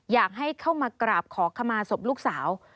อยากให้เข้ามากราบขอขมาศพลูกสาว